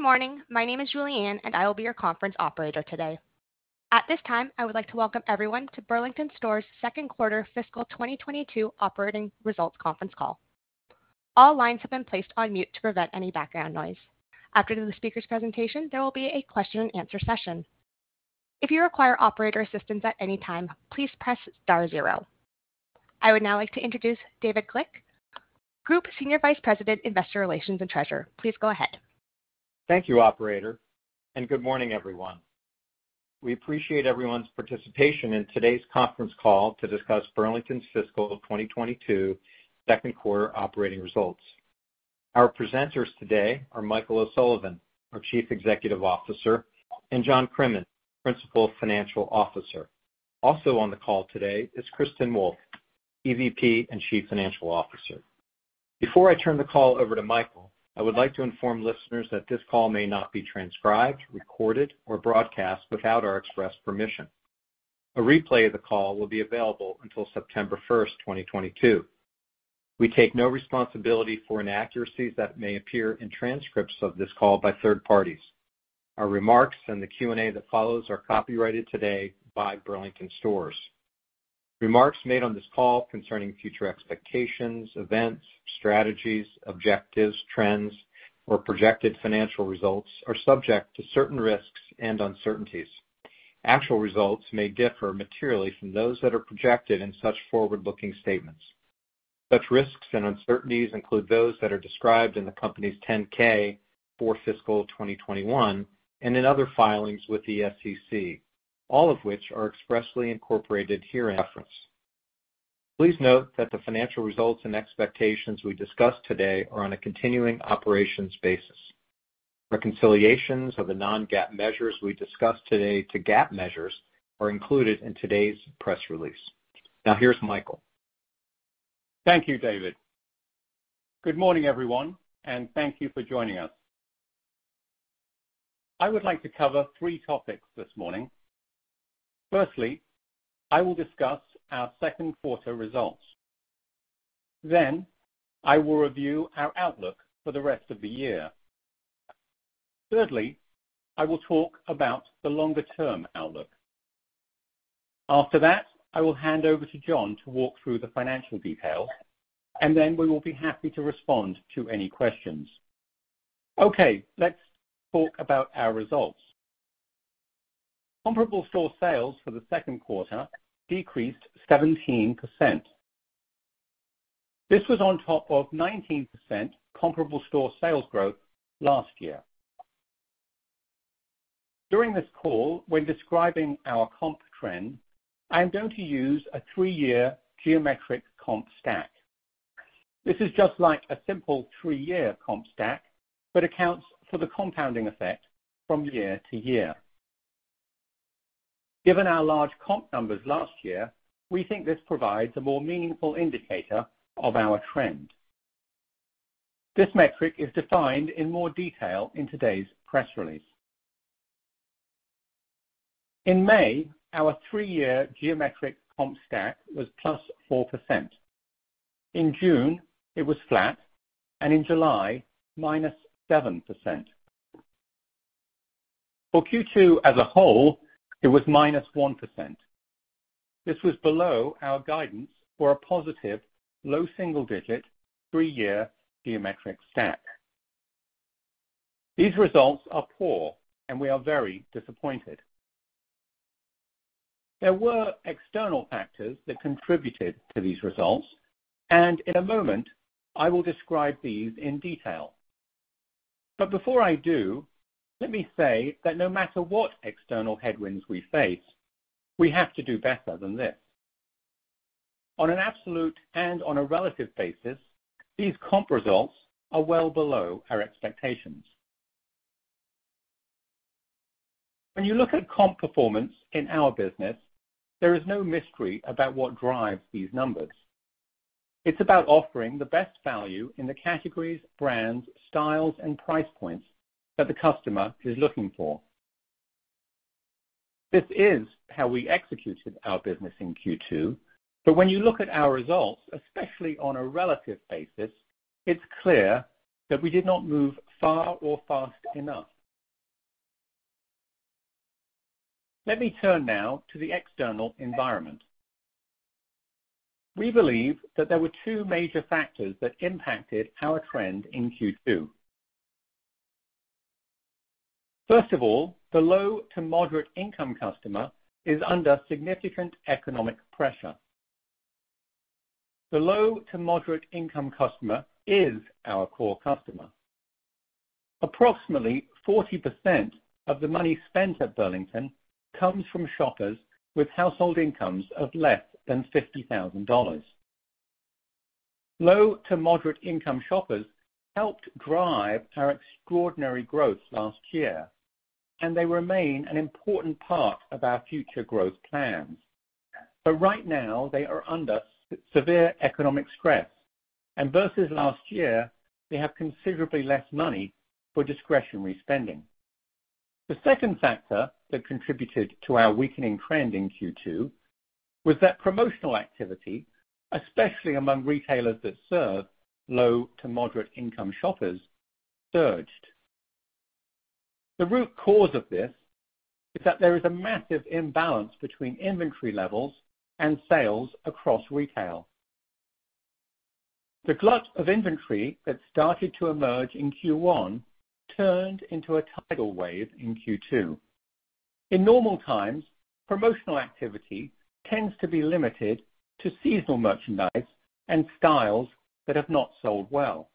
Good morning. My name is Julianne, and I will be your conference operator today. At this time, I would like to welcome everyone to Burlington Stores second quarter fiscal 2022 operating results conference call. All lines have been placed on mute to prevent any background noise. After the speaker's presentation, there will be a question and answer session. If you require operator assistance at any time, please press star zero. I would now like to introduce David Glick, Group Senior Vice President, Investor Relations and Treasurer. Please go ahead. Thank you, Operator, and good morning, everyone. We appreciate everyone's participation in today's conference call to discuss Burlington's fiscal 2022 second quarter operating results. Our presenters today are Michael O'Sullivan, our Chief Executive Officer, and John Crimmins, Principal Financial Officer. Also on the call today is Kristin Wolfe, EVP and Chief Financial Officer. Before I turn the call over to Michael, I would like to inform listeners that this call may not be transcribed, recorded, or broadcast without our express permission. A replay of the call will be available until September 1st, 2022. We take no responsibility for inaccuracies that may appear in transcripts of this call by third parties. Our remarks and the Q&A that follows are copyrighted today by Burlington Stores. Remarks made on this call concerning future expectations, events, strategies, objectives, trends, or projected financial results are subject to certain risks and uncertainties. Actual results may differ materially from those that are projected in such forward-looking statements. Such risks and uncertainties include those that are described in the company's 10-K for fiscal 2021 and in other filings with the SEC, all of which are expressly incorporated herein by reference. Please note that the financial results and expectations we discuss today are on a continuing operations basis. Reconciliations of the non-GAAP measures we discuss today to GAAP measures are included in today's press release. Now here's Michael. Thank you, David. Good morning, everyone, and thank you for joining us. I would like to cover three topics this morning. Firstly, I will discuss our second quarter results. Then I will review our outlook for the rest of the year. Thirdly, I will talk about the longer-term outlook. After that, I will hand over to John to walk through the financial details, and then we will be happy to respond to any questions. Okay, let's talk about our results. Comparable store sales for the second quarter decreased 17%. This was on top of 19% comparable store sales growth last year. During this call, when describing our comp trend, I am going to use a three-year geometric comp stack. This is just like a simple three-year comp stack, but accounts for the compounding effect from year to year. Given our large comp numbers last year, we think this provides a more meaningful indicator of our trend. This metric is defined in more detail in today's press release. In May, our three-year geometric comp stack was +4%. In June, it was flat, and in July, -7%. For Q2 as a whole, it was -1%. This was below our guidance for a positive low single digit three-year geometric stack. These results are poor, and we are very disappointed. There were external factors that contributed to these results, and in a moment, I will describe these in detail. Before I do, let me say that no matter what external headwinds we face, we have to do better than this. On an absolute and on a relative basis, these comp results are well below our expectations. When you look at comp performance in our business, there is no mystery about what drives these numbers. It's about offering the best value in the categories, brands, styles, and price points that the customer is looking for. This is how we executed our business in Q2. When you look at our results, especially on a relative basis, it's clear that we did not move far or fast enough. Let me turn now to the external environment. We believe that there were two major factors that impacted our trend in Q2. First of all, the low-to-moderate income customer is under significant economic pressure. The low-to-moderate income customer is our core customer. Approximately 40% of the money spent at Burlington comes from shoppers with household incomes of less than $50,000. Low-to-moderate income shoppers helped drive our extraordinary growth last year, and they remain an important part of our future growth plans. Right now, they are under severe economic stress, and versus last year, they have considerably less money for discretionary spending. The second factor that contributed to our weakening trend in Q2 was that promotional activity, especially among retailers that serve low to moderate income shoppers, surged. The root cause of this is that there is a massive imbalance between inventory levels and sales across retail. The glut of inventory that started to emerge in Q1 turned into a tidal wave in Q2. In normal times, promotional activity tends to be limited to seasonal merchandise and styles that have not sold well.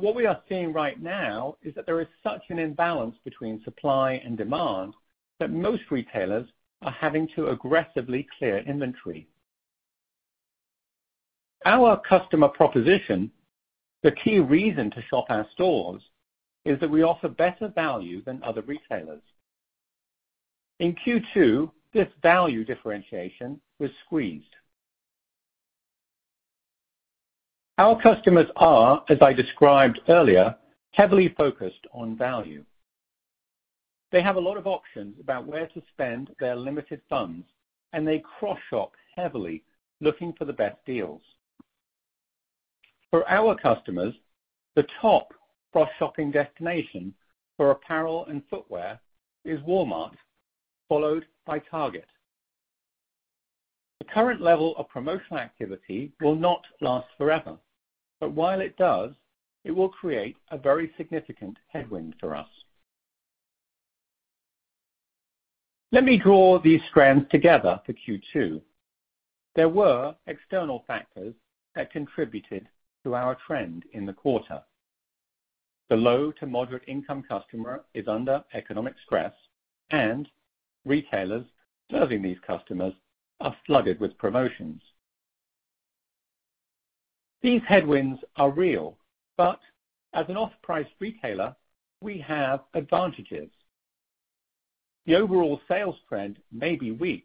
What we are seeing right now is that there is such an imbalance between supply and demand that most retailers are having to aggressively clear inventory. Our customer proposition, the key reason to shop our stores, is that we offer better value than other retailers. In Q2, this value differentiation was squeezed. Our customers are, as I described earlier, heavily focused on value. They have a lot of options about where to spend their limited funds, and they cross-shop heavily looking for the best deals. For our customers, the top cross-shopping destination for apparel and footwear is Walmart, followed by Target. The current level of promotional activity will not last forever, but while it does, it will create a very significant headwind for us. Let me draw these strands together for Q2. There were external factors that contributed to our trend in the quarter. The low to moderate income customer is under economic stress, and retailers serving these customers are flooded with promotions. These headwinds are real, but as an off-price retailer, we have advantages. The overall sales trend may be weak,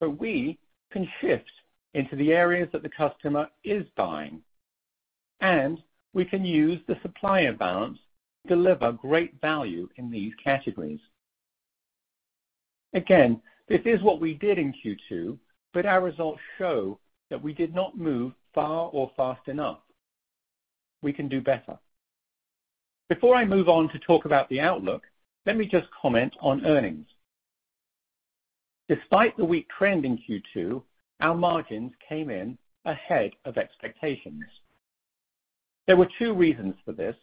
but we can shift into the areas that the customer is buying, and we can use the supplier balance to deliver great value in these categories. Again, this is what we did in Q2, but our results show that we did not move far or fast enough. We can do better. Before I move on to talk about the outlook, let me just comment on earnings. Despite the weak trend in Q2, our margins came in ahead of expectations. There were two reasons for this.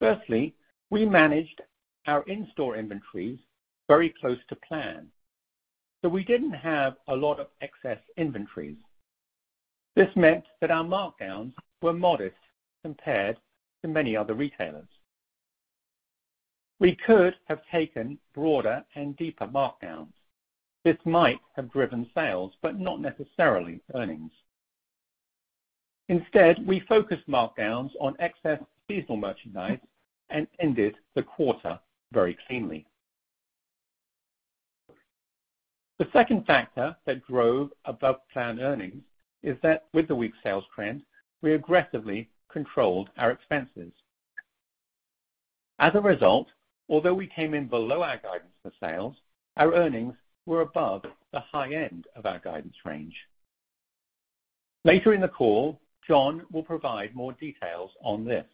Firstly, we managed our in-store inventories very close to plan, so we didn't have a lot of excess inventories. This meant that our markdowns were modest compared to many other retailers. We could have taken broader and deeper markdowns. This might have driven sales but not necessarily earnings. Instead, we focused markdowns on excess seasonal merchandise and ended the quarter very cleanly. The second factor that drove above plan earnings is that with the weak sales trend, we aggressively controlled our expenses. As a result, although we came in below our guidance for sales, our earnings were above the high end of our guidance range. Later in the call, John will provide more details on this.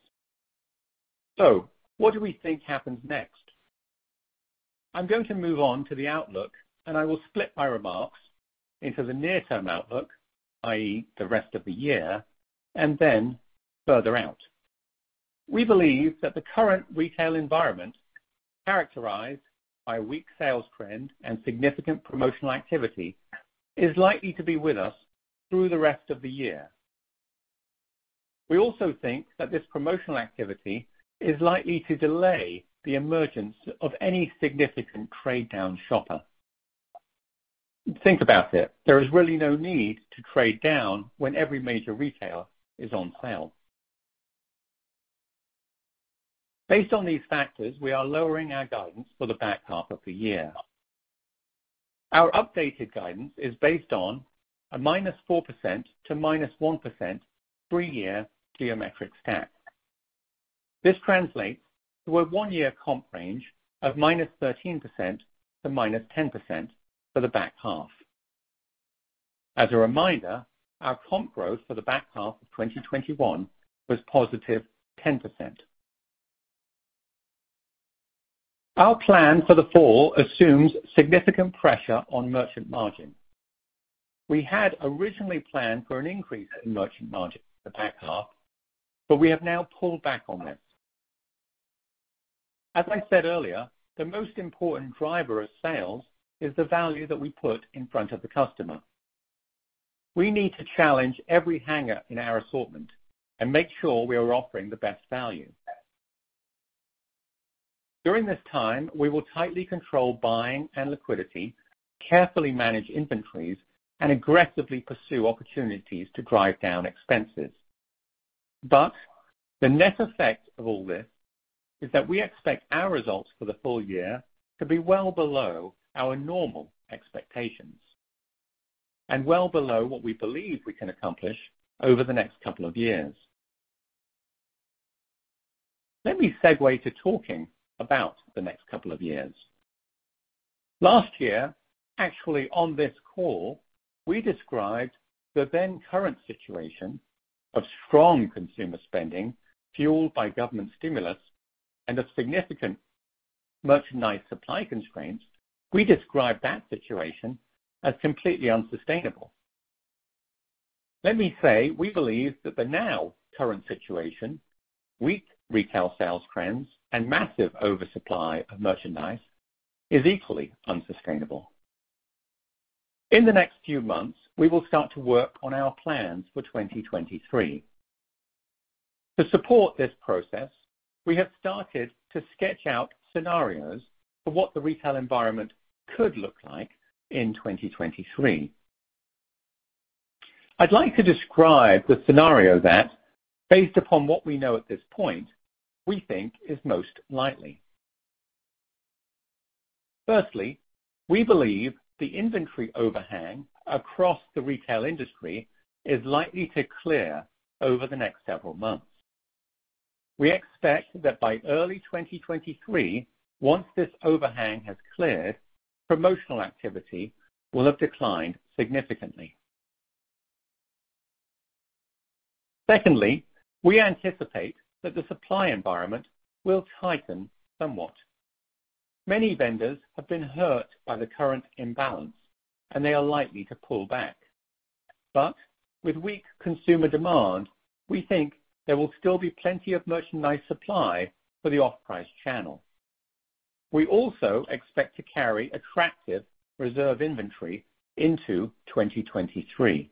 What do we think happens next? I'm going to move on to the outlook, and I will split my remarks into the near-term outlook, i.e. the rest of the year, and then further out. We believe that the current retail environment, characterized by a weak sales trend and significant promotional activity, is likely to be with us through the rest of the year. We also think that this promotional activity is likely to delay the emergence of any significant trade down shopper. Think about it. There is really no need to trade down when every major retailer is on sale. Based on these factors, we are lowering our guidance for the back half of the year. Our updated guidance is based on a -4% to -1% three-year geometric stack. This translates to a one-year comp range of -13% to -10% for the back half. As a reminder, our comp growth for the back half of 2021 was +10%. Our plan for the fall assumes significant pressure on merchant margin. We had originally planned for an increase in merchant margin in the back half, but we have now pulled back on this. As I said earlier, the most important driver of sales is the value that we put in front of the customer. We need to challenge every hanger in our assortment and make sure we are offering the best value. During this time, we will tightly control buying and liquidity, carefully manage inventories, and aggressively pursue opportunities to drive down expenses. The net effect of all this is that we expect our results for the full year to be well below our normal expectations. Well below what we believe we can accomplish over the next couple of years. Let me segue to talking about the next couple of years. Last year, actually on this call, we described the then current situation of strong consumer spending fueled by government stimulus and a significant merchandise supply constraints. We described that situation as completely unsustainable. Let me say, we believe that the now current situation, weak retail sales trends and massive oversupply of merchandise is equally unsustainable. In the next few months, we will start to work on our plans for 2023. To support this process, we have started to sketch out scenarios for what the retail environment could look like in 2023. I'd like to describe the scenario that, based upon what we know at this point, we think is most likely. Firstly, we believe the inventory overhang across the retail industry is likely to clear over the next several months. We expect that by early 2023, once this overhang has cleared, promotional activity will have declined significantly. Secondly, we anticipate that the supply environment will tighten somewhat. Many vendors have been hurt by the current imbalance, and they are likely to pull back. But with weak consumer demand, we think there will still be plenty of merchandise supply for the off-price channel. We also expect to carry attractive reserve inventory into 2023.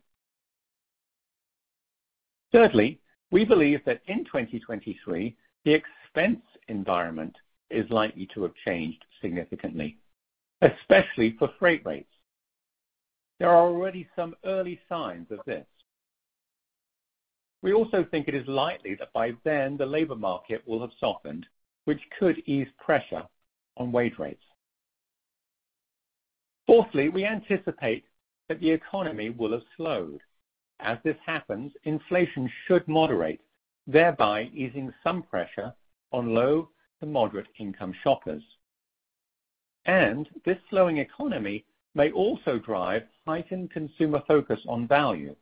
Thirdly, we believe that in 2023, the expense environment is likely to have changed significantly, especially for freight rates. There are already some early signs of this. We also think it is likely that by then the labor market will have softened, which could ease pressure on wage rates. Fourthly, we anticipate that the economy will have slowed. As this happens, inflation should moderate, thereby easing some pressure on low to moderate income shoppers. This slowing economy may also drive heightened consumer focus on value,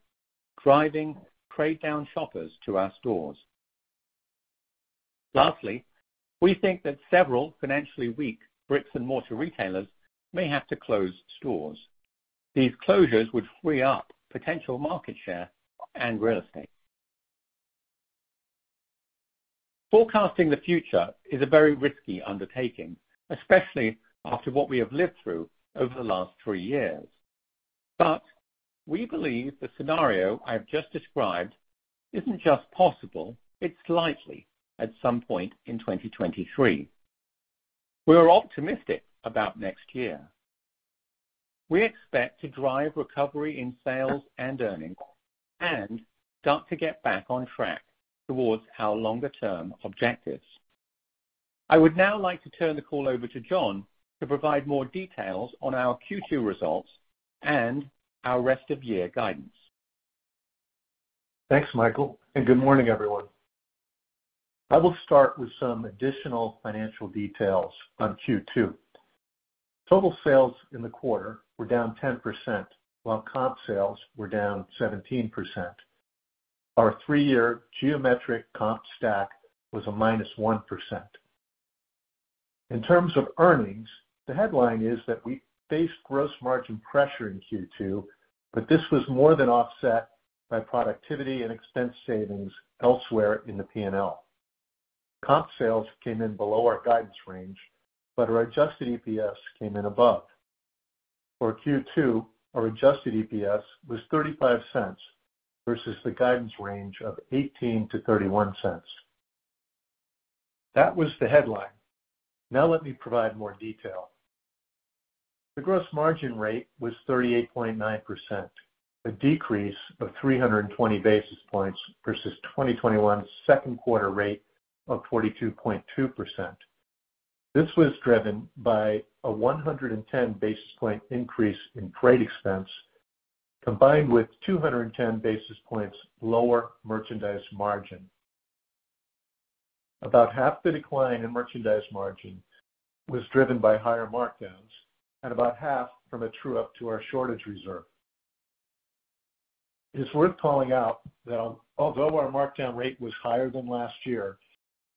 driving trade down shoppers to our stores. Lastly, we think that several financially weak bricks and mortar retailers may have to close stores. These closures would free up potential market share and real estate. Forecasting the future is a very risky undertaking, especially after what we have lived through over the last three years. We believe the scenario I have just described isn't just possible, it's likely at some point in 2023. We are optimistic about next year. We expect to drive recovery in sales and earnings and start to get back on track towards our longer term objectives. I would now like to turn the call over to John to provide more details on our Q2 results and our rest of year guidance. Thanks, Michael, and good morning, everyone. I will start with some additional financial details on Q2. Total sales in the quarter were down 10%, while comp sales were down 17%. Our three-year geometric comp stack was a -1%. In terms of earnings, the headline is that we faced gross margin pressure in Q2, but this was more than offset by productivity and expense savings elsewhere in the P&L. Comp sales came in below our guidance range, but our adjusted EPS came in above. For Q2, our adjusted EPS was $0.35 versus the guidance range of $0.18-$0.31. That was the headline. Now let me provide more detail. The gross margin rate was 38.9%, a decrease of 320 basis points versus 2021 second quarter rate of 42.2%. This was driven by a 110 basis point increase in freight expense, combined with 210 basis points lower merchandise margin. About half the decline in merchandise margin was driven by higher markdowns and about half from a true-up to our shortage reserve. It's worth calling out that although our markdown rate was higher than last year,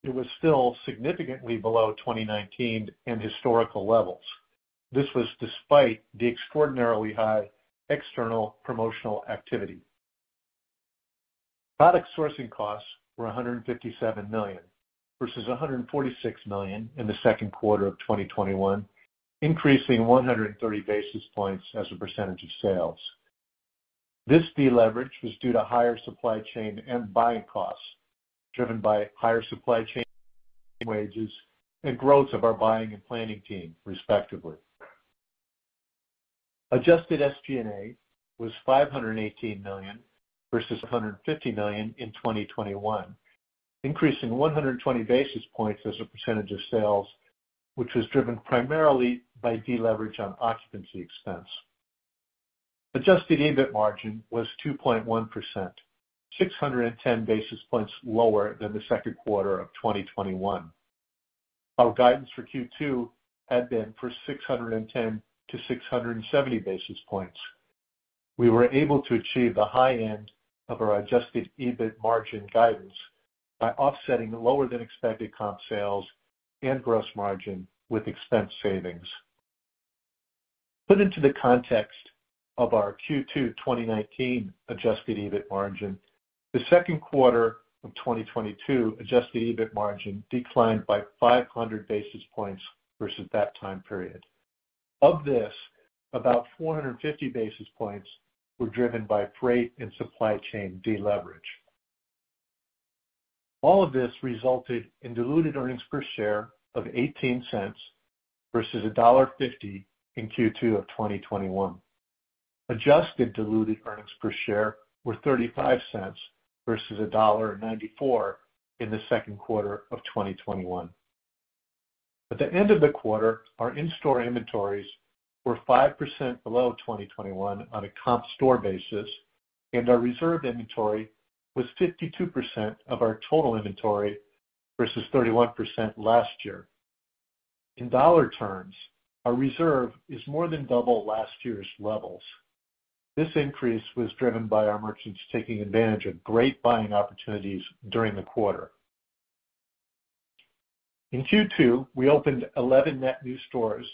it was still significantly below 2019 and historical levels. This was despite the extraordinarily high external promotional activity. Product sourcing costs were $157 million versus $146 million in the second quarter of 2021, increasing 130 basis points as a percentage of sales. This deleverage was due to higher supply chain and buying costs, driven by higher supply chain wages and growth of our buying and planning team, respectively. Adjusted SG&A was $518 million versus $550 million in 2021, increasing 120 basis points as a percentage of sales, which was driven primarily by deleverage on occupancy expense. Adjusted EBIT margin was 2.1%, 610 basis points lower than the second quarter of 2021. Our guidance for Q2 had been for 610-670 basis points. We were able to achieve the high end of our adjusted EBIT margin guidance by offsetting lower than expected comp sales and gross margin with expense savings. Put into the context of our Q2 2019 adjusted EBIT margin, the second quarter of 2022 adjusted EBIT margin declined by 500 basis points versus that time period. Of this, about 450 basis points were driven by freight and supply chain deleverage. All of this resulted in diluted earnings per share of $0.18 versus $1.50 in Q2 of 2021. Adjusted diluted earnings per share were $0.35 versus $1.94 in the second quarter of 2021. At the end of the quarter, our in-store inventories were 5% below 2021 on a comp store basis, and our reserve inventory was 52% of our total inventory versus 31% last year. In dollar terms, our reserve is more than double last year's levels. This increase was driven by our merchants taking advantage of great buying opportunities during the quarter. In Q2, we opened 11 net new stores,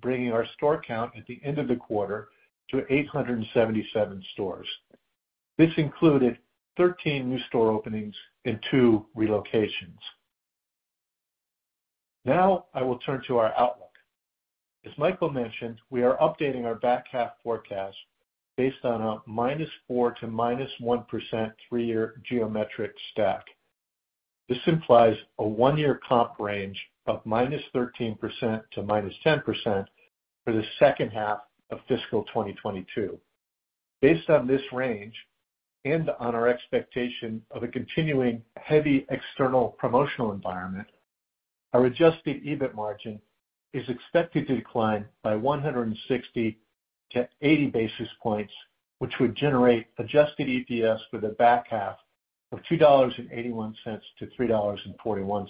bringing our store count at the end of the quarter to 877 stores. This included 13 new store openings and two relocations. Now I will turn to our outlook. As Michael mentioned, we are updating our back half forecast based on a -4% to -1% three-year geometric stack. This implies a one-year comp range of -13% to -10% for the second half of fiscal 2022. Based on this range and on our expectation of a continuing heavy external promotional environment, our adjusted EBIT margin is expected to decline by 160-80 basis points, which would generate adjusted EPS for the back half of $2.81-$3.41.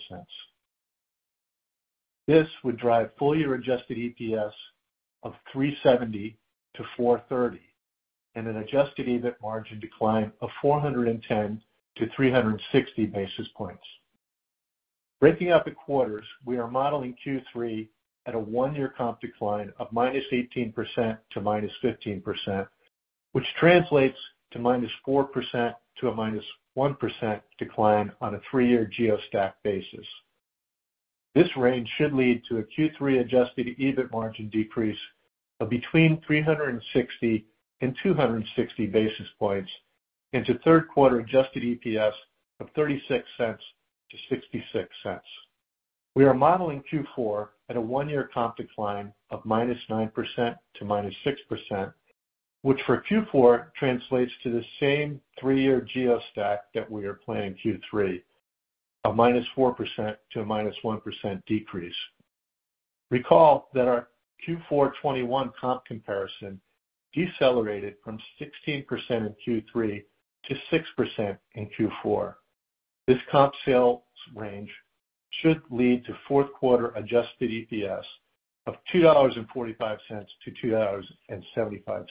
This would drive full year adjusted EPS of $3.70-$4.30 and an adjusted EBIT margin decline of 410-360 basis points. Breaking out the quarters, we are modeling Q3 at a one-year comp decline of -18% to -15%, which translates to -4% to -1% decline on a three-year geometric stack basis. This range should lead to a Q3 Adjusted EBIT margin decrease of between 360 and 260 basis points to third quarter Adjusted EPS of $0.36-$0.66. We are modeling Q4 at a one-year comp decline of -9% to -6%, which for Q4 translates to the same three-year geometric stack that we are for Q3 of -4% to -1% decrease. Recall that our Q4 2021 comp comparison decelerated from 16% in Q3 to 6% in Q4. This comp sales range should lead to fourth quarter Adjusted EPS of $2.45-$2.75.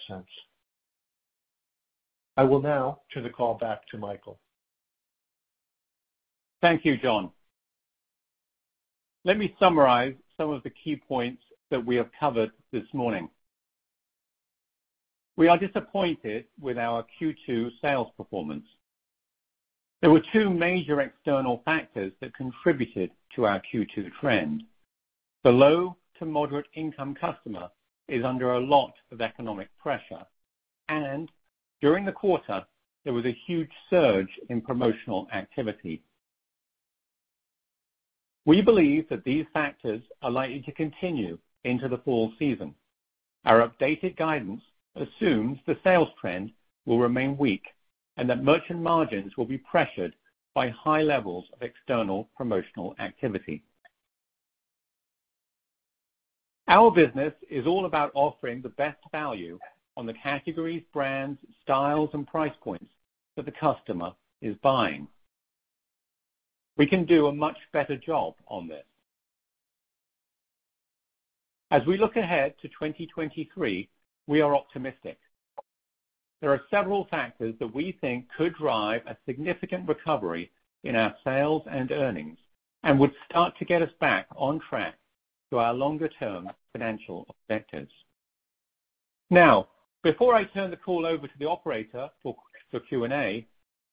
I will now turn the call back to Michael. Thank you, John. Let me summarize some of the key points that we have covered this morning. We are disappointed with our Q2 sales performance. There were two major external factors that contributed to our Q2 trend. The low to moderate income customer is under a lot of economic pressure, and during the quarter there was a huge surge in promotional activity. We believe that these factors are likely to continue into the fall season. Our updated guidance assumes the sales trend will remain weak and that merchant margins will be pressured by high levels of external promotional activity. Our business is all about offering the best value on the categories, brands, styles, and price points that the customer is buying. We can do a much better job on this. As we look ahead to 2023, we are optimistic. There are several factors that we think could drive a significant recovery in our sales and earnings and would start to get us back on track to our longer term financial objectives. Now, before I turn the call over to the operator for Q&A,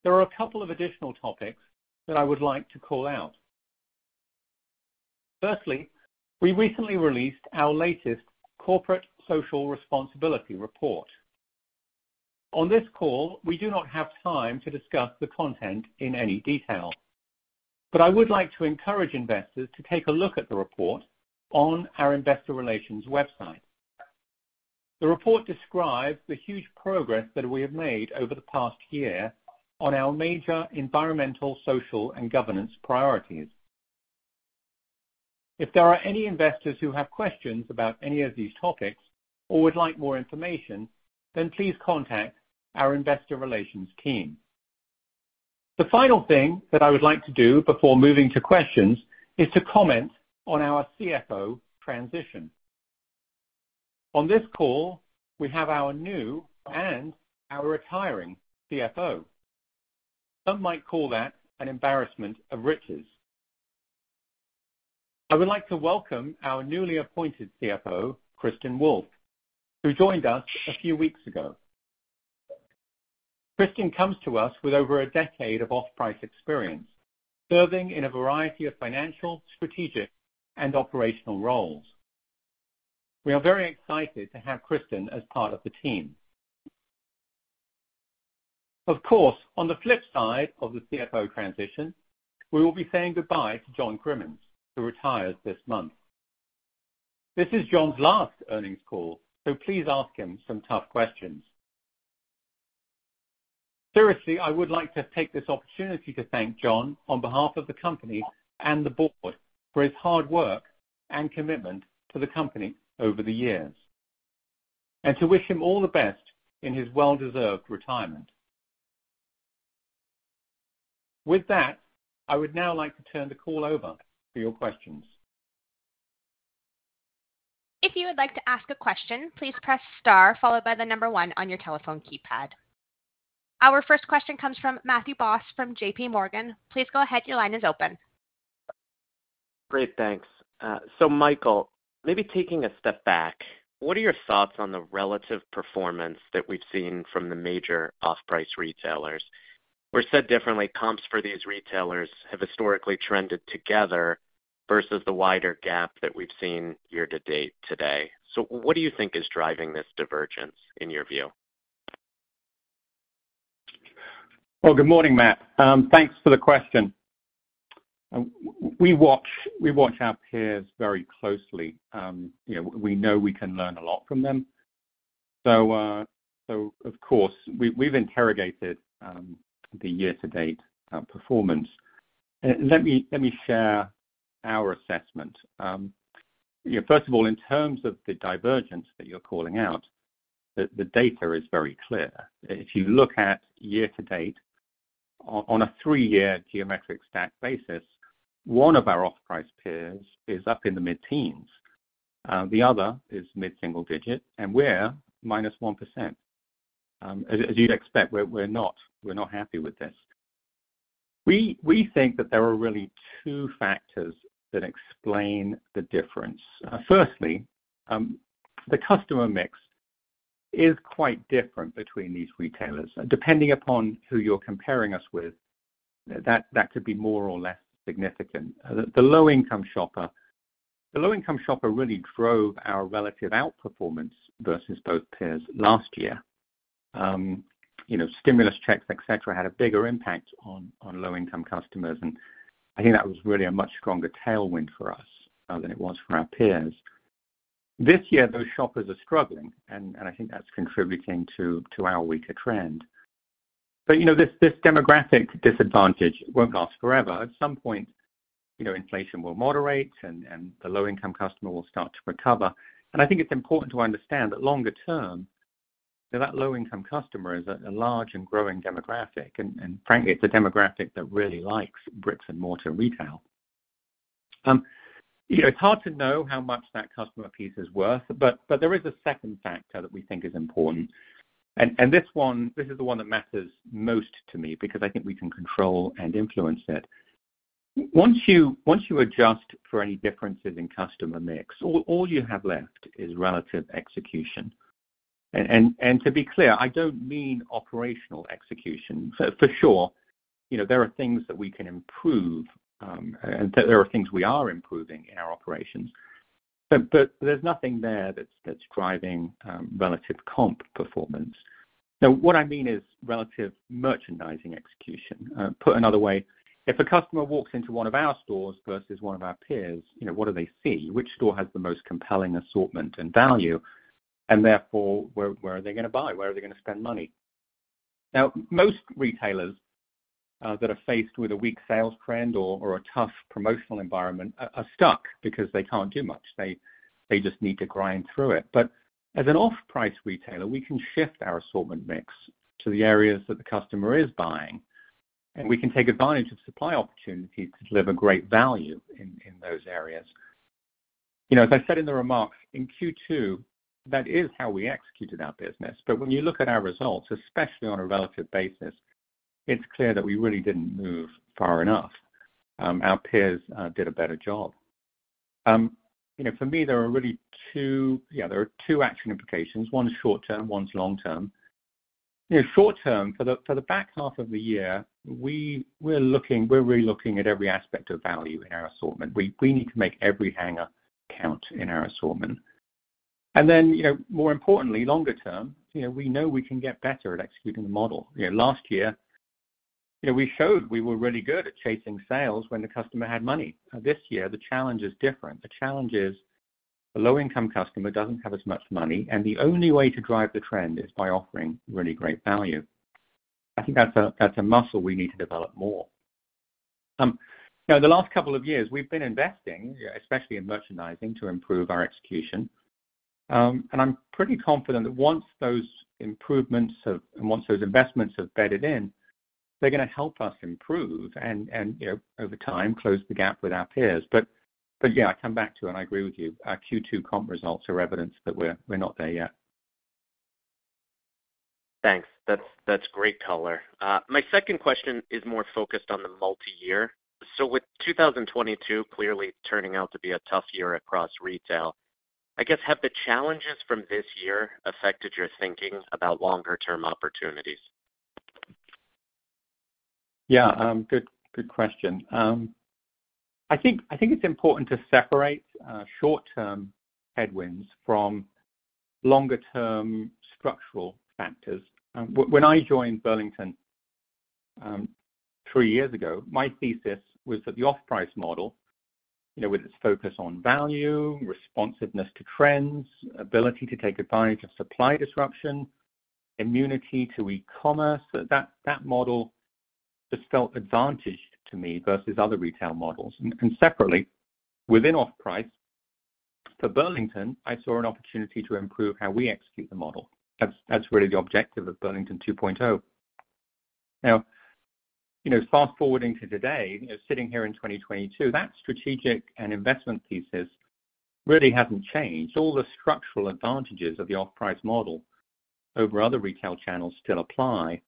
there are a couple of additional topics that I would like to call out. Firstly, we recently released our latest corporate social responsibility report. On this call, we do not have time to discuss the content in any detail, but I would like to encourage investors to take a look at the report on our investor relations website. The report describes the huge progress that we have made over the past year on our major environmental, social, and governance priorities. If there are any investors who have questions about any of these topics or would like more information, then please contact our investor relations team. The final thing that I would like to do before moving to questions is to comment on our CFO transition. On this call, we have our new and our retiring CFO. Some might call that an embarrassment of riches. I would like to welcome our newly appointed CFO, Kristin Wolfe, who joined us a few weeks ago. Kristin comes to us with over a decade of off-price experience, serving in a variety of financial, strategic, and operational roles. We are very excited to have Kristin as part of the team. Of course, on the flip side of the CFO transition, we will be saying goodbye to John Crimmins, who retires this month. This is John's last earnings call, so please ask him some tough questions. Seriously, I would like to take this opportunity to thank John on behalf of the company and the board for his hard work and commitment to the company over the years, and to wish him all the best in his well-deserved retirement. With that, I would now like to turn the call over for your questions. If you would like to ask a question, please press star followed by the number one on your telephone keypad. Our first question comes from Matthew Boss from JPMorgan. Please go ahead. Your line is open. Great, thanks. Michael, maybe taking a step back, what are your thoughts on the relative performance that we have seen from the major off-price retailers? Said differently, comps for these retailers have historically trended together versus the wider gap that we have seen year to date today. What do you think is driving this divergence in your view? Well, good morning, Matt. Thanks for the question. We watch our peers very closely. We know we can learn a lot from them. Of course, we've interrogated the year-to-date performance. Let me share our assessment. First of all, in terms of the divergence that you are calling out, the data is very clear. If you look at year-to-date on a three-year geometric stack basis, one of our off-price peers is up in the mid-teens, the other is mid-single-digit, and we're minus 1%. As you would expect, we're not happy with this. We think that there are really two factors that explain the difference. Firstly, the customer mix is quite different between these retailers, and depending upon who you are comparing us with, that could be more or less significant. The low-income shopper really drove our relative outperformance versus both peers last year. Stimulus checks, et cetera, had a bigger impact on low-income customers, and I think that was really a much stronger tailwind for us than it was for our peers. This year, those shoppers are struggling, and I think that is contributing to our weaker trend. You know, this demographic disadvantage won't last forever. At some point, inflation will moderate and the low-income customer will start to recover. I think it is important to understand that longer term, that low-income customer is a large and growing demographic, and frankly, it is a demographic that really likes bricks and mortar retail. It is hard to know how much that customer piece is worth, but there is a second factor that we think is important. This is the one that matters most to me because I think we can control and influence it. Once you adjust for any differences in customer mix, all you have left is relative execution. To be clear, I don't mean operational execution. For sure, you know, there are things that we can improve, there are things we are improving in our operations, but there is nothing there that is driving relative comp performance. What I mean is relative merchandising execution. Put another way, if a customer walks into one of our stores versus one of our peers, you know, what do they see? Which store has the most compelling assortment and value? Therefore, where are they going to buy? Where are they going to spend money? Now, most retailers that are faced with a weak sales trend or a tough promotional environment are stuck because they can't do much. They just need to grind through it. As an off-price retailer, we can shift our assortment mix to the areas that the customer is buying, and we can take advantage of supply opportunities to deliver great value in those areas. You know, as I said in the remarks in Q2, that is how we executed our business. When you look at our results, especially on a relative basis, it is clear that we really didn't move far enough. Our peers did a better job. You know, for me, there are really two action implications. One is short term, one is long term. Short term, for the back half of the year, we are really looking at every aspect of value in our assortment. We need to make every hanger count in our assortment. You know, more importantly, longer term, you know, we know we can get better at executing the model. Last year. Yeah, we showed we were really good at chasing sales when the customer had money. This year, the challenge is different. The challenge is the low income customer doesn't have as much money, and the only way to drive the trend is by offering really great value. I think that's a muscle we need to develop more. You know, the last couple of years we've been investing, especially in merchandising, to improve our execution. I'm pretty confident that once those investments have bedded in, they're gonna help us improve and, you know, over time, close the gap with our peers. But yeah, I come back to, and I agree with you, our Q2 comp results are evidence that we're not there yet. Thanks. That's great color. My second question is more focused on the multi-year. With 2022 clearly turning out to be a tough year across retail, I guess, have the challenges from this year affected your thinking about longer term opportunities? Yeah. Good question. I think it's important to separate short-term headwinds from longer-term structural factors. When I joined Burlington three years ago, my thesis was that the off-price model, you know, with its focus on value, responsiveness to trends, ability to take advantage of supply disruption, immunity to e-commerce, that model just felt advantaged to me versus other retail models. Separately, within off-price for Burlington, I saw an opportunity to improve how we execute the model. That's really the objective of Burlington 2.0. Now, you know, fast-forwarding to today, sitting here in 2022, that strategic and investment thesis really hasn't changed. All the structural advantages of the off-price model over other retail channels still apply.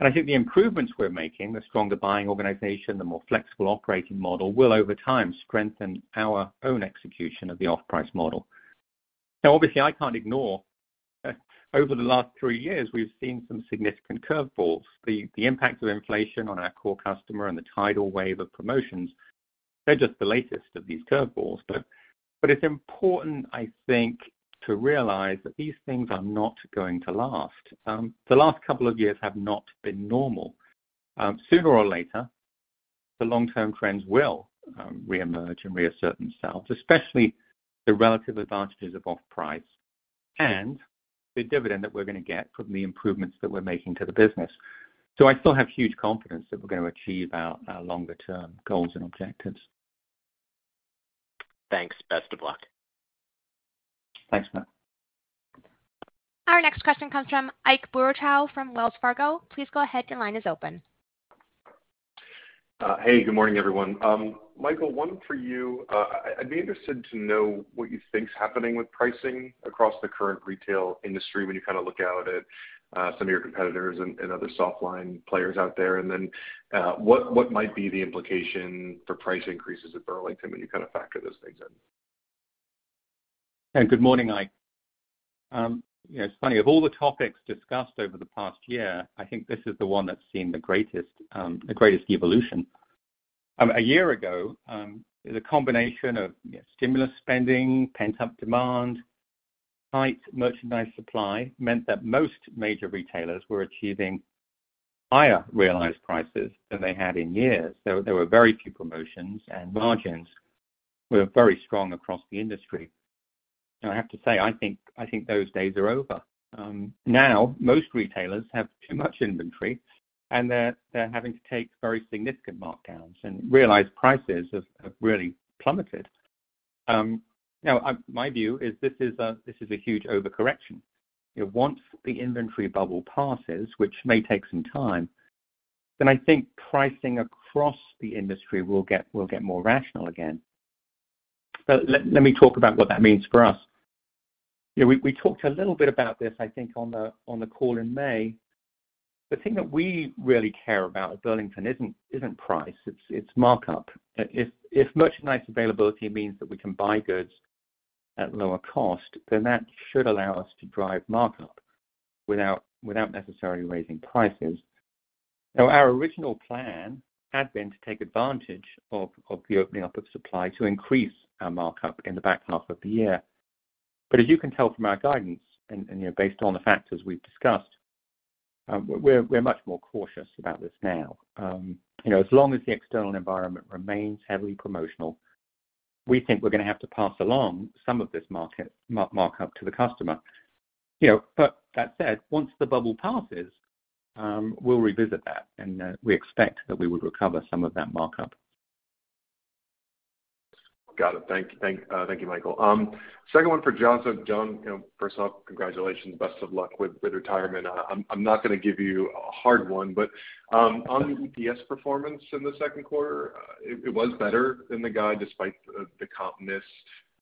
I think the improvements we're making, the stronger buying organization, the more flexible operating model, will over time strengthen our own execution of the off-price model. Now obviously, I can't ignore over the last three years, we've seen some significant curveballs. The impact of inflation on our core customer and the tidal wave of promotions, they're just the latest of these curveballs. It's important, I think, to realize that these things are not going to last. The last couple of years have not been normal. Sooner or later, the long term trends will reemerge and reassert themselves, especially the relative advantages of off-price and the dividend that we're gonna get from the improvements that we're making to the business. I still have huge confidence that we're going to achieve our longer term goals and objectives. Thanks. Best of luck. Thanks, Matt. Our next question comes from Ike Boruchow from Wells Fargo. Please go ahead. Your line is open. Hey, good morning, everyone. Michael, one for you. I'd be interested to know what you think is happening with pricing across the current retail industry when you kind of look out at some of your competitors and other soft line players out there. What might be the implication for price increases at Burlington when you kind of factor those things in? Good morning, Ike. You know, it's funny. Of all the topics discussed over the past year, I think this is the one that's seen the greatest evolution. A year ago, the combination of stimulus spending, pent-up demand, tight merchandise supply meant that most major retailers were achieving higher realized prices than they had in years. There were very few promotions, and margins were very strong across the industry. I have to say, I think those days are over. Now most retailers have too much inventory, and they're having to take very significant markdowns and realized prices have really plummeted. Now my view is this is a huge overcorrection. Once the inventory bubble passes, which may take some time, I think pricing across the industry will get more rational again. Let me talk about what that means for us. We talked a little bit about this, I think, on the call in May. The thing that we really care about at Burlington isn't price, it's markup. If merchandise availability means that we can buy goods at lower cost, then that should allow us to drive markup without necessarily raising prices. Now, our original plan had been to take advantage of the opening up of supply to increase our markup in the back half of the year. As you can tell from our guidance and you know, based on the factors we've discussed, we're much more cautious about this now. You know, as long as the external environment remains heavily promotional, we think we're going to have to pass along some of this market markup to the customer. You know, but that said, once the bubble passes, we'll revisit that, and we expect that we would recover some of that markup. Got it. Thank you, Michael. Second one for John. John, you know, first off, congratulations. Best of luck with retirement. I'm not gonna give you a hard one, but on the EPS performance in the second quarter, it was better than the guide despite the comp miss.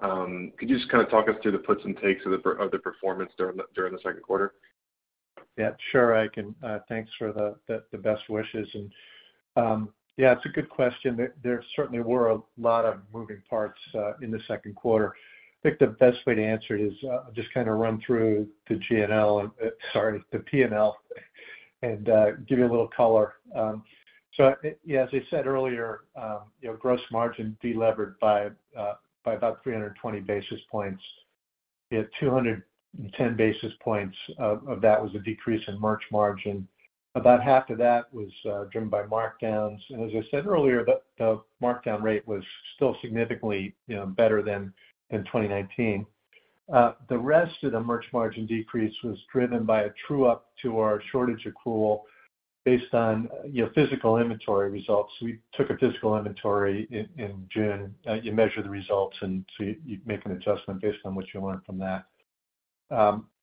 Could you just kind of talk us through the puts and takes of the performance during the second quarter? Yeah, sure, Ike, thanks for the best wishes. It's a good question. There certainly were a lot of moving parts in the second quarter. I think the best way to answer it is just kind of run through the P&L and give you a little color. As I said earlier, you know, gross margin delevered by about 320 basis points. We had 210 basis points of that was a decrease in merch margin. About half of that was driven by markdowns. The markdown rate was still significantly, you know, better than in 2019. The rest of the merch margin decrease was driven by a true up to our shortage accrual based on, you know, physical inventory results. We took a physical inventory in June. You measure the results and so you make an adjustment based on what you learned from that.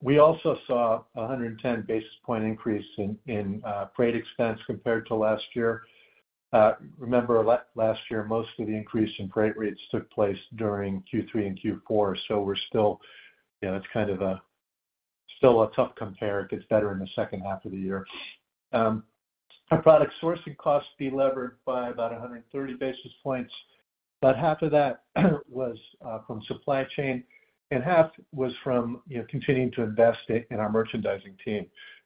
We also saw a 110 basis point increase in freight expense compared to last year. Remember last year, most of the increase in freight rates took place during Q3 and Q4. We're still, you know, it's kind of still a tough compare. It gets better in the second half of the year. Our product sourcing costs delevered by about 130 basis points. About half of that was from supply chain and half was from, you know, continuing to invest in our merchandising team.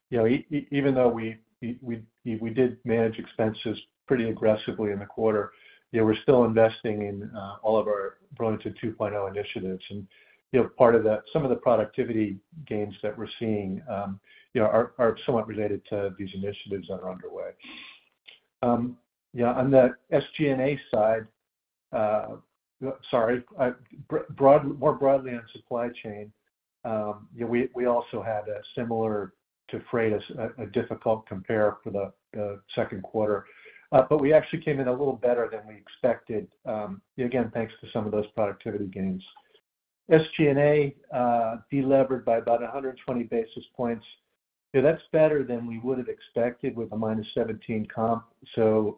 You know, even though we did manage expenses pretty aggressively in the quarter, you know, we're still investing in all of our Burlington 2.0 initiatives. You know, part of that, some of the productivity gains that we're seeing, you know, are somewhat related to these initiatives that are underway. Yeah, on the SG&A side, more broadly on supply chain, you know, we also had a similar to freight, a difficult compare for the second quarter. But we actually came in a little better than we expected, again, thanks to some of those productivity gains. SG&A delevered by about 120 basis points. You know, that's better than we would have expected with a -17 comp.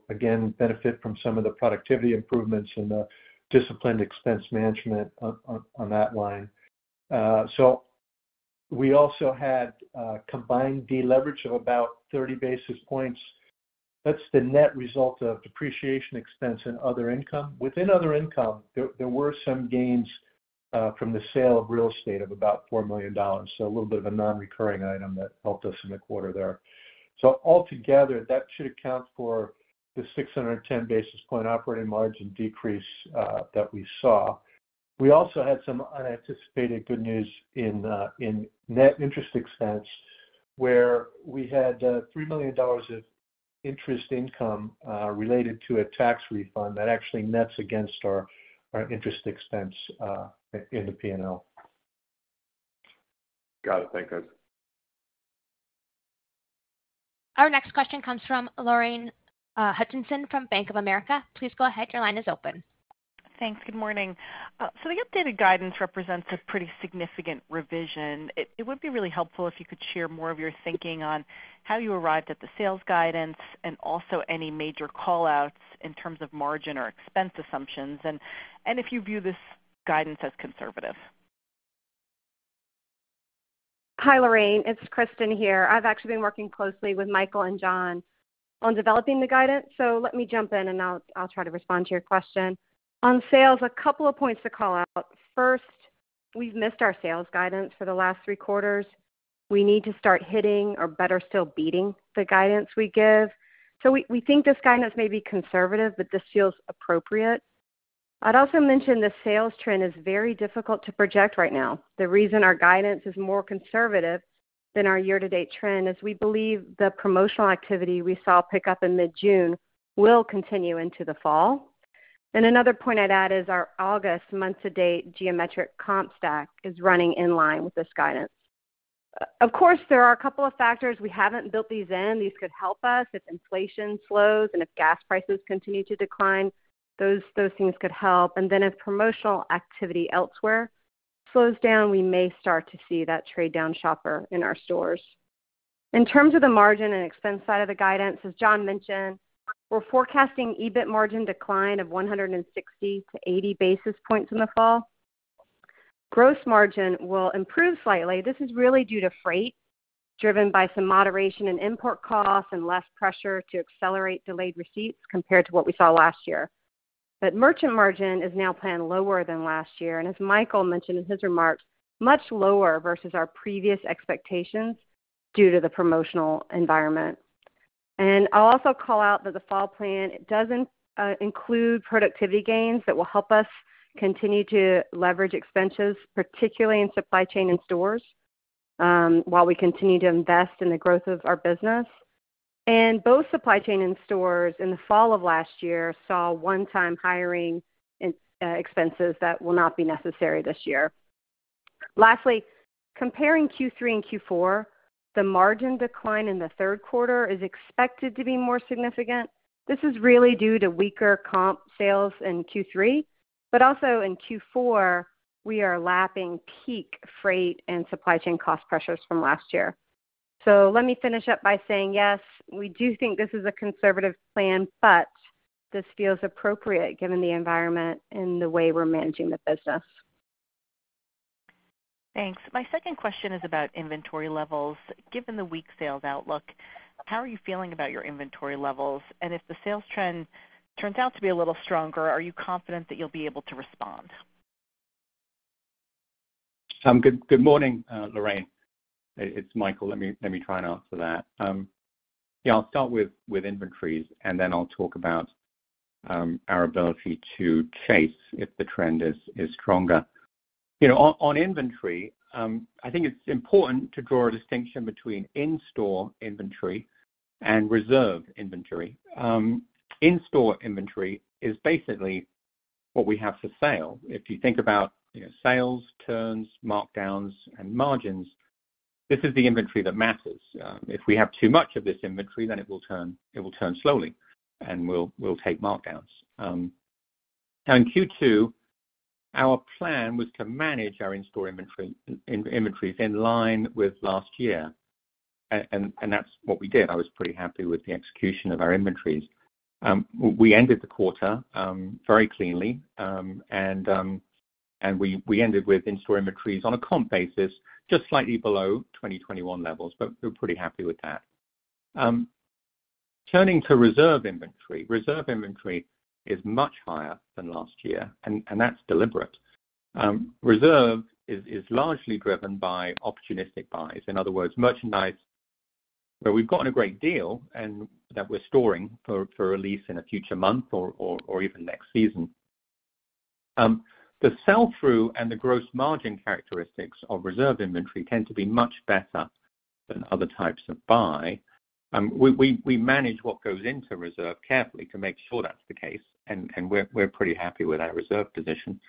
Again, benefit from some of the productivity improvements and disciplined expense management on that line. We also had a combined deleverage of about 30 basis points. That's the net result of depreciation expense and other income. Within other income, there were some gains from the sale of real estate of about $4 million. A little bit of a non-recurring item that helped us in the quarter there. Altogether, that should account for the 610 basis point operating margin decrease that we saw. We also had some unanticipated good news in net interest expense, where we had $3 million of interest income related to a tax refund that actually nets against our interest expense in the P&L. Got it. Thank you. Our next question comes from Lorraine Hutchinson from Bank of America. Please go ahead. Your line is open. Thanks. Good morning. The updated guidance represents a pretty significant revision. It would be really helpful if you could share more of your thinking on how you arrived at the sales guidance and also any major call outs in terms of margin or expense assumptions, and if you view this guidance as conservative. Hi, Lorraine. It's Kristin here. I've actually been working closely with Michael and John on developing the guidance. Let me jump in, and I'll try to respond to your question. On sales, a couple of points to call out. First, we've missed our sales guidance for the last three quarters. We need to start hitting or better still beating the guidance we give. We think this guidance may be conservative, but this feels appropriate. I'd also mention the sales trend is very difficult to project right now. The reason our guidance is more conservative than our year-to-date trend is we believe the promotional activity we saw pick up in mid-June will continue into the fall. Another point I'd add is our August month to date geometric comp stack is running in line with this guidance. Of course, there are a couple of factors. We haven't built these in. These could help us if inflation slows and if gas prices continue to decline, those things could help. Then if promotional activity elsewhere slows down, we may start to see that trade down shopper in our stores. In terms of the margin and expense side of the guidance, as John mentioned, we're forecasting EBIT margin decline of 160-80 basis points in the fall. Gross margin will improve slightly. This is really due to freight, driven by some moderation in import costs and less pressure to accelerate delayed receipts compared to what we saw last year. Merchant margin is now planned lower than last year, and as Michael mentioned in his remarks, much lower versus our previous expectations due to the promotional environment. I'll also call out that the fall plan doesn't include productivity gains that will help us continue to leverage expenses, particularly in supply chain and stores, while we continue to invest in the growth of our business. Both supply chain and stores in the fall of last year saw one-time hiring expenses that will not be necessary this year. Lastly, comparing Q3 and Q4, the margin decline in the third quarter is expected to be more significant. This is really due to weaker comp sales in Q3, but also in Q4, we are lapping peak freight and supply chain cost pressures from last year. Let me finish up by saying, yes, we do think this is a conservative plan, but this feels appropriate given the environment and the way we're managing the business. Thanks. My second question is about inventory levels. Given the weak sales outlook, how are you feeling about your inventory levels? If the sales trend turns out to be a little stronger, are you confident that you'll be able to respond? Good morning, Lorraine. It's Michael. Let me try and answer that. Yeah, I'll start with inventories, and then I'll talk about our ability to chase if the trend is stronger. You know, on inventory, I think it's important to draw a distinction between in-store inventory and reserve inventory. In-store inventory is basically what we have for sale. If you think about, you know, sales, turns, markdowns, and margins, this is the inventory that matters. If we have too much of this inventory, then it will turn slowly, and we'll take markdowns. Now in Q2, our plan was to manage our in-store inventories in line with last year, and that's what we did. I was pretty happy with the execution of our inventories. We ended the quarter very cleanly. We ended with in-store inventories on a comp basis just slightly below 2021 levels, but we're pretty happy with that. Turning to reserve inventory. Reserve inventory is much higher than last year, and that's deliberate. Reserve is largely driven by opportunistic buys. In other words, merchandise where we've gotten a great deal and that we're storing for release in a future month or even next season. The sell-through and the gross margin characteristics of reserve inventory tend to be much better than other types of buy. We manage what goes into reserve carefully to make sure that's the case, and we're pretty happy with our reserve position.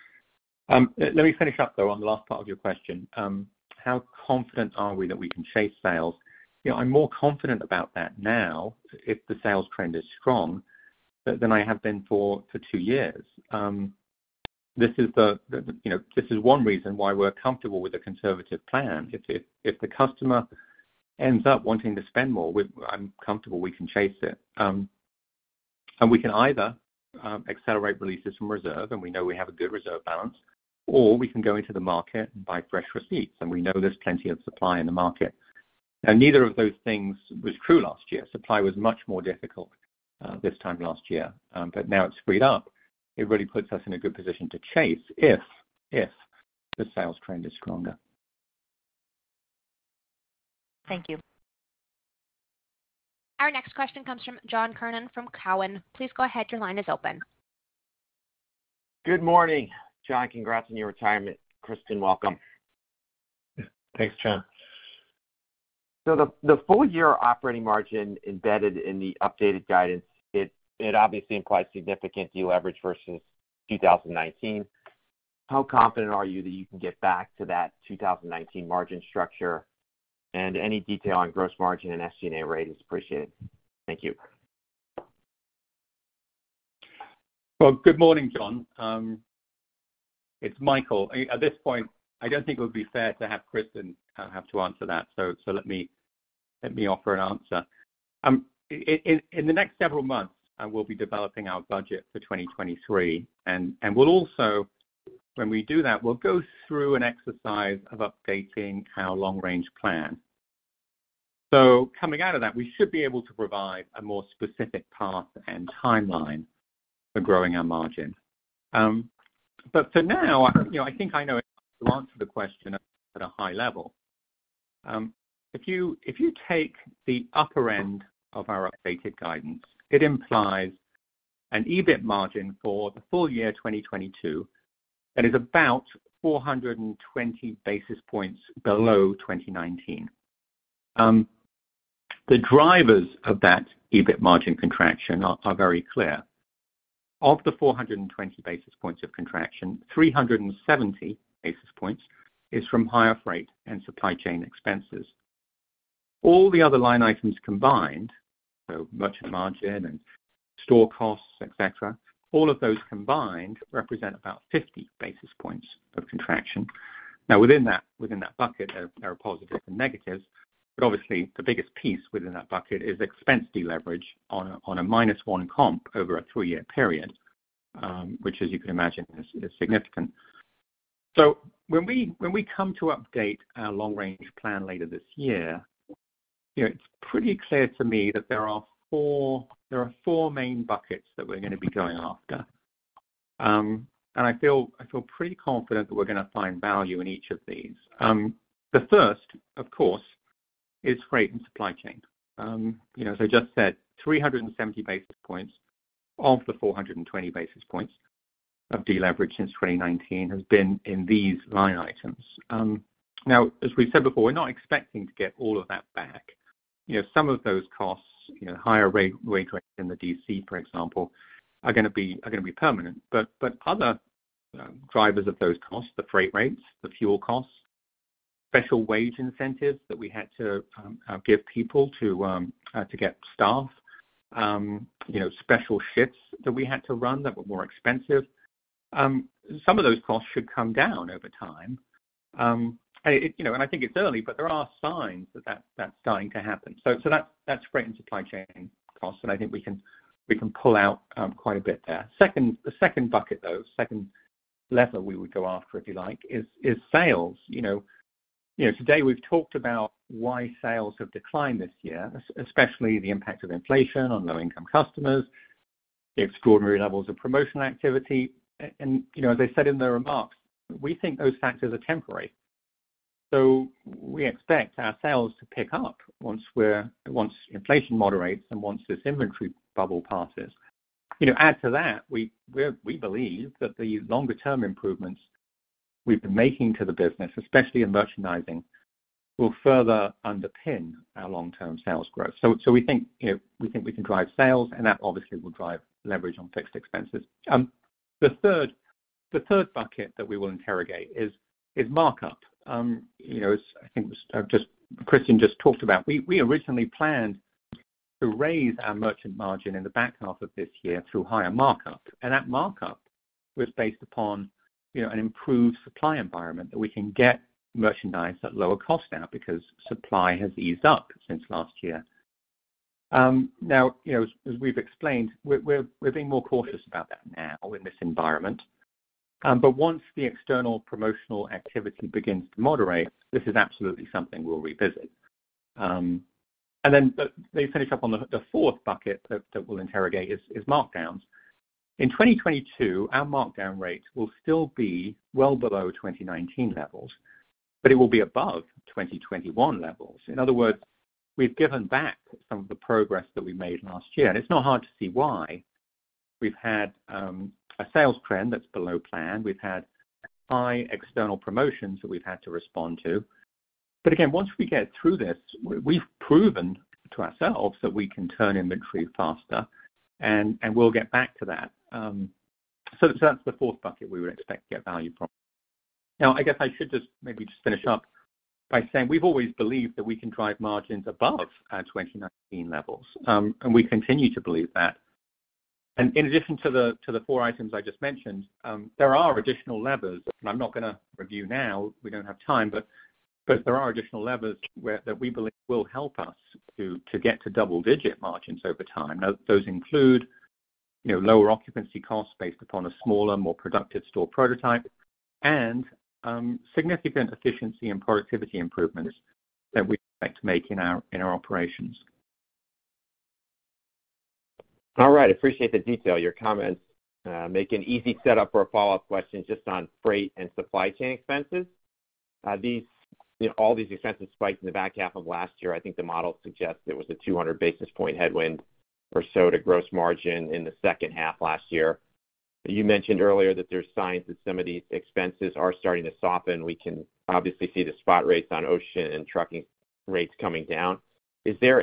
Let me finish up, though, on the last part of your question. How confident are we that we can chase sales? You know, I'm more confident about that now if the sales trend is strong than I have been for two years. You know, this is one reason why we're comfortable with a conservative plan. If the customer ends up wanting to spend more, I'm comfortable we can chase it. We can either accelerate releases from reserve, and we know we have a good reserve balance, or we can go into the market and buy fresh receipts, and we know there's plenty of supply in the market. Neither of those things was true last year. Supply was much more difficult this time last year. Now it's freed up. It really puts us in a good position to chase if the sales trend is stronger. Thank you. Our next question comes from John Kernan from Cowen. Please go ahead. Your line is open. Good morning. John, congrats on your retirement. Kristin, welcome. Thanks, John. The full year operating margin embedded in the updated guidance, it obviously implies significant deleverage versus 2019. How confident are you that you can get back to that 2019 margin structure? Any detail on gross margin and SG&A rate is appreciated. Thank you. Well, good morning, John. It's Michael. At this point, I don't think it would be fair to have Kristin have to answer that, so let me offer an answer. In the next several months, I will be developing our budget for 2023. We'll also, when we do that, go through an exercise of updating our long-range plan. Coming out of that, we should be able to provide a more specific path and timeline for growing our margin. For now, you know, I think I know enough to answer the question at a high level. If you take the upper end of our updated guidance, it implies an EBIT margin for the full year 2022 that is about 420 basis points below 2019. The drivers of that EBIT margin contraction are very clear. Of the 420 basis points of contraction, 370 basis points is from higher freight and supply chain expenses. All the other line items combined, so merchant margin and store costs, et cetera, all of those combined represent about 50 basis points of contraction. Now, within that bucket, there are positives and negatives, but obviously the biggest piece within that bucket is expense deleverage on a -1 comp over a three-year period, which as you can imagine is significant. When we come to update our long-range plan later this year, you know, it's pretty clear to me that there are four main buckets that we're gonna be going after. I feel pretty confident that we're gonna find value in each of these. The first, of course, is freight and supply chain. You know, as I just said, 370 basis points of the 420 basis points of deleverage since 2019 has been in these line items. Now, as we said before, we're not expecting to get all of that back. You know, some of those costs, you know, higher rate in the DC, for example, are gonna be permanent. But other drivers of those costs, the freight rates, the fuel costs, special wage incentives that we had to give people to get staffed, you know, special shifts that we had to run that were more expensive, some of those costs should come down over time. I think it's early, but there are signs that that's starting to happen. That's freight and supply chain costs, and I think we can pull out quite a bit there. The second bucket, though, second lever we would go after, if you like, is sales. You know, today we've talked about why sales have declined this year, especially the impact of inflation on low-income customers, the extraordinary levels of promotional activity. You know, as I said in the remarks, we think those factors are temporary. We expect our sales to pick up once inflation moderates and once this inventory bubble passes. You know, add to that, we believe that the longer-term improvements we've been making to the business, especially in merchandising, will further underpin our long-term sales growth. We think, you know, we think we can drive sales, and that obviously will drive leverage on fixed expenses. The third bucket that we will interrogate is markup. You know, as I think just Kristin talked about, we originally planned to raise our merchant margin in the back half of this year through higher markup. That markup was based upon, you know, an improved supply environment that we can get merchandise at lower cost now because supply has eased up since last year. Now, you know, as we've explained, we're being more cautious about that now in this environment. Once the external promotional activity begins to moderate, this is absolutely something we'll revisit. Let me finish up on the fourth bucket that we'll interrogate is markdowns. In 2022, our markdown rate will still be well below 2019 levels, but it will be above 2021 levels. In other words, we've given back some of the progress that we made last year. It's not hard to see why. We've had a sales trend that's below plan. We've had high external promotions that we've had to respond to. Again, once we get through this, we've proven to ourselves that we can turn inventory faster, and we'll get back to that. That's the fourth bucket we would expect to get value from. Now, I guess I should just maybe just finish up by saying we've always believed that we can drive margins above our 2019 levels, and we continue to believe that. In addition to the four items I just mentioned, there are additional levers that I'm not gonna review now, we don't have time, but there are additional levers that we believe will help us to get to double digit margins over time. Those include, you know, lower occupancy costs based upon a smaller, more productive store prototype and significant efficiency and productivity improvements that we expect to make in our operations. All right. Appreciate the detail. Your comments make an easy setup for a follow-up question just on freight and supply chain expenses. These all these expenses spiked in the back half of last year. I think the model suggests it was a 200 basis point headwind or so to gross margin in the second half last year. You mentioned earlier that there's signs that some of these expenses are starting to soften. We can obviously see the spot rates on ocean and trucking rates coming down. Is there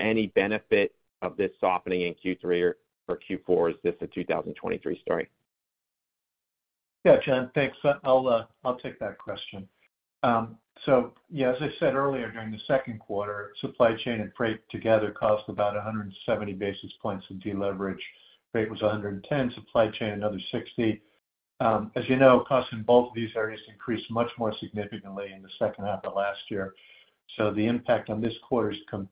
any benefit of this softening in Q3 or Q4, or is this a 2023 story? Yeah, John. Thanks. I'll take that question. So yeah, as I said earlier, during the second quarter, supply chain and freight together cost about 170 basis points of deleverage. Freight was 110, supply chain, another 60. As you know, costs in both of these areas increased much more significantly in the second half of last year. The impact on this quarter's comp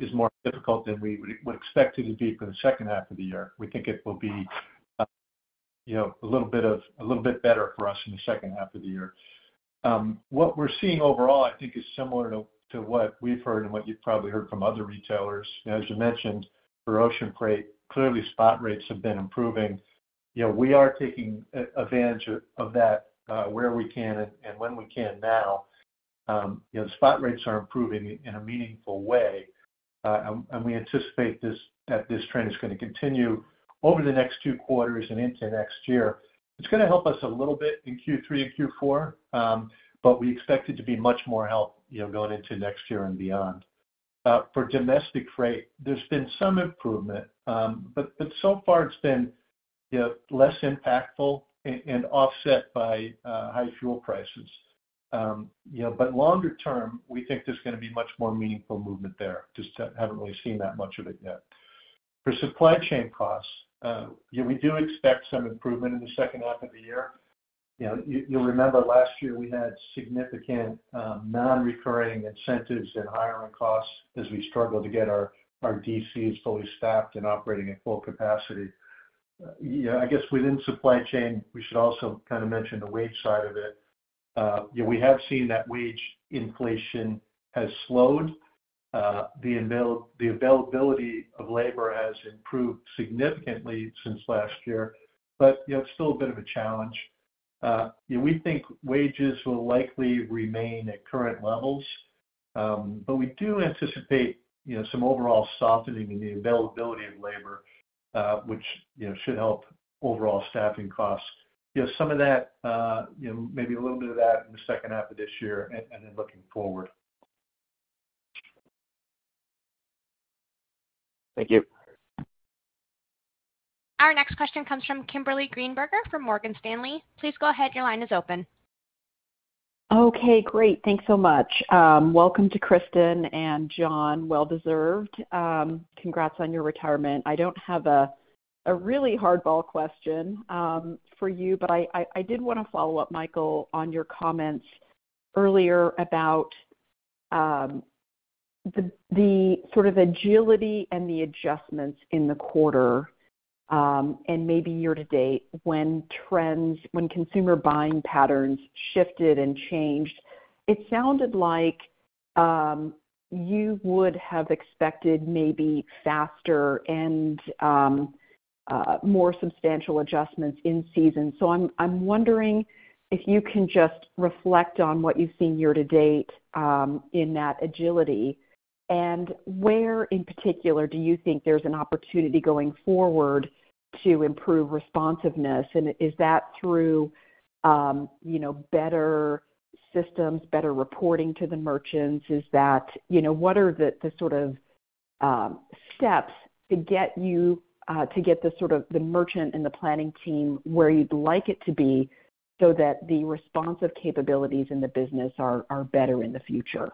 is more difficult than we would expect it to be for the second half of the year. We think it will be a little bit better for us in the second half of the year. What we're seeing overall, I think, is similar to what we've heard and what you've probably heard from other retailers. As you mentioned, for ocean freight, clearly spot rates have been improving. You know, we are taking advantage of that, where we can and when we can now. You know, spot rates are improving in a meaningful way, and we anticipate that this trend is gonna continue over the next two quarters and into next year. It's gonna help us a little bit in Q3 and Q4, but we expect it to be much more help, you know, going into next year and beyond. For domestic freight, there's been some improvement, but so far it's been, you know, less impactful and offset by high fuel prices. You know, longer term, we think there's gonna be much more meaningful movement there. Just haven't really seen that much of it yet. For supply chain costs, yeah, we do expect some improvement in the second half of the year. You know, you'll remember last year we had significant non-recurring incentives and hiring costs as we struggled to get our DCs fully staffed and operating at full capacity. You know, I guess within supply chain, we should also kind of mention the wage side of it. You know, we have seen that wage inflation has slowed. The availability of labor has improved significantly since last year, but you know, it's still a bit of a challenge. You know, we think wages will likely remain at current levels, but we do anticipate you know, some overall softening in the availability of labor, which you know, should help overall staffing costs. You know, some of that, you know, maybe a little bit of that in the second half of this year and then looking forward. Thank you. Our next question comes from Kimberly Greenberger from Morgan Stanley. Please go ahead. Your line is open. Okay, great. Thanks so much. Welcome to Kristin and John. Well deserved. Congrats on your retirement. I don't have a really hardball question for you, but I did wanna follow up, Michael, on your comments earlier about the sort of agility and the adjustments in the quarter, and maybe year to date when consumer buying patterns shifted and changed. It sounded like you would have expected maybe faster and more substantial adjustments in season. I'm wondering if you can just reflect on what you've seen year to date in that agility, and where in particular do you think there's an opportunity going forward to improve responsiveness? Is that through you know, better systems, better reporting to the merchants? Is that... You know, what are the sort of steps to get you to get the sort of the merchant and the planning team where you'd like it to be so that the responsive capabilities in the business are better in the future?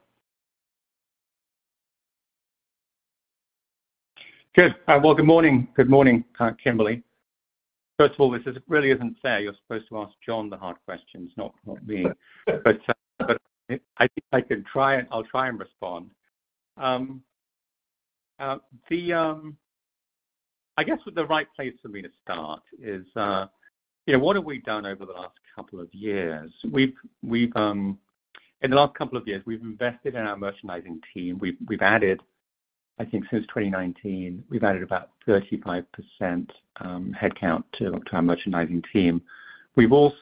Good. Well, good morning. Good morning, Kimberly. First of all, this really isn't fair. You're supposed to ask John the hard questions, not me. I think I can try and I'll try and respond. I guess the right place for me to start is, you know, what have we done over the last couple of years? In the last couple of years, we've invested in our merchandising team. We've added, I think since 2019, we've added about 35% headcount to our merchandising team. We've also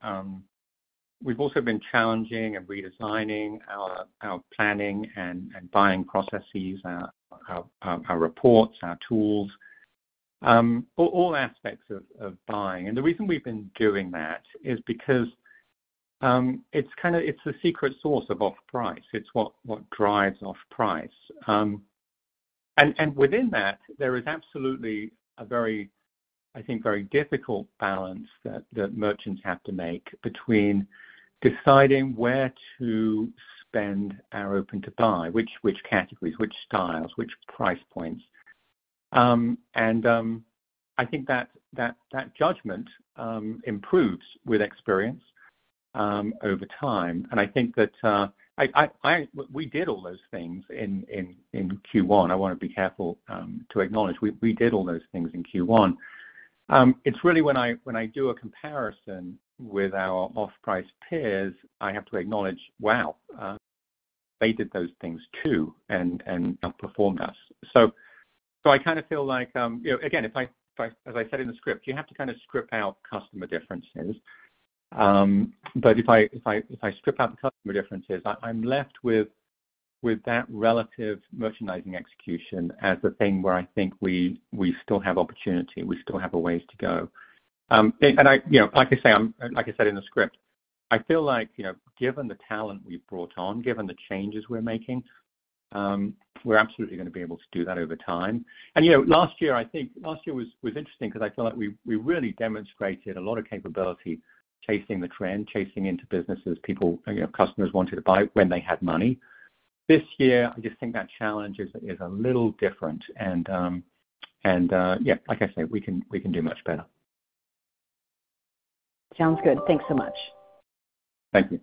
been challenging and redesigning our planning and buying processes, our reports, our tools, all aspects of buying. The reason we've been doing that is because, it's kinda the secret sauce of off-price. It's what drives off price. Within that, there is absolutely a very difficult balance that merchants have to make between deciding where to spend our open to buy, which categories, which styles, which price points. I think that judgment improves with experience over time. I think that we did all those things in Q1. I wanna be careful to acknowledge we did all those things in Q1. It's really when I do a comparison with our off-price peers, I have to acknowledge, wow, they did those things too and outperformed us. I kinda feel like, you know, again, as I said in the script, you have to kinda strip out customer differences. If I strip out the customer differences, I'm left with that relative merchandising execution as the thing where I think we still have opportunity. We still have a ways to go. I, you know, like I say, like I said in the script, I feel like, you know, given the talent we've brought on, given the changes we're making, we're absolutely gonna be able to do that over time. You know, last year, I think, was interesting because I feel like we really demonstrated a lot of capability chasing the trend, chasing into businesses, people, you know, customers wanted to buy when they had money. This year, I just think that challenge is a little different. Yeah, like I say, we can do much better. Sounds good. Thanks so much. Thank you.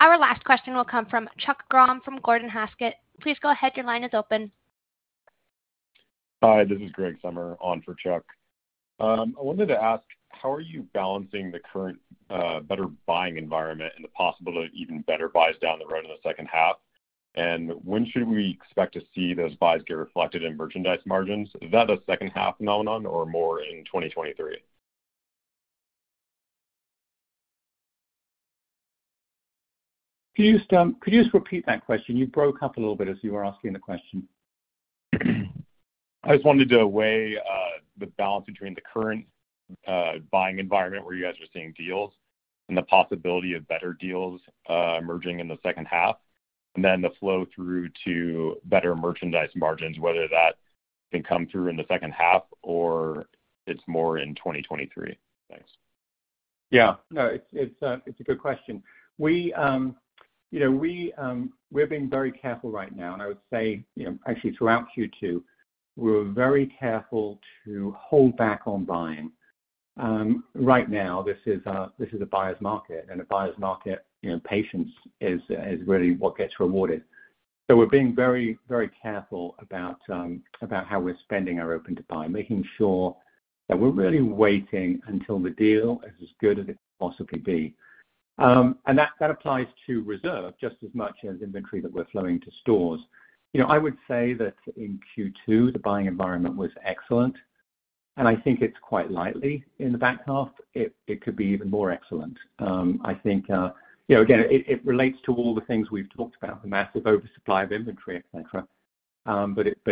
Our last question will come from Chuck Grom from Gordon Haskett. Please go ahead. Your line is open. Hi, this is Greg Sommer on for Chuck. I wanted to ask, how are you balancing the current, better buying environment and the possible even better buys down the road in the second half? When should we expect to see those buys get reflected in merchandise margins? Is that a second half phenomenon or more in 2023? Could you just repeat that question? You broke up a little bit as you were asking the question. I just wanted to weigh the balance between the current buying environment where you guys are seeing deals and the possibility of better deals emerging in the second half, and then the flow through to better merchandise margins, whether that can come through in the second half or it's more in 2023. Thanks. No, it's a good question. You know, we're being very careful right now. I would say, you know, actually throughout Q2, we're very careful to hold back on buying. Right now, this is a buyer's market. In a buyer's market, you know, patience is really what gets rewarded. We're being very, very careful about how we're spending our open to buy, making sure that we're really waiting until the deal is as good as it could possibly be. That applies to reserve just as much as inventory that we're flowing to stores. You know, I would say that in Q2, the buying environment was excellent, and I think it's quite likely in the back half it could be even more excellent. I think, you know, again, it relates to all the things we've talked about, the massive oversupply of inventory, et cetera.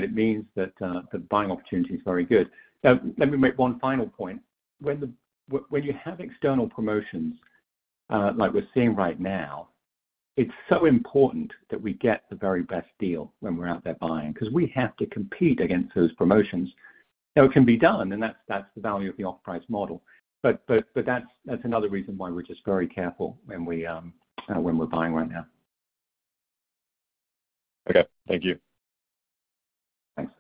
It means that the buying opportunity is very good. Let me make one final point. When you have external promotions like we're seeing right now, it's so important that we get the very best deal when we're out there buying because we have to compete against those promotions. You know, it can be done, and that's the value of the off-price model. That's another reason why we're just very careful when we're buying right now. Okay. Thank you. Thanks.